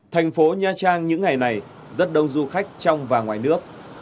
thành phố nha trang những ngày này rất đông du khách trong và ngoài nước